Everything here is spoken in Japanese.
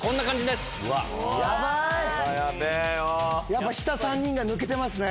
やっぱ下３人が抜けてますね。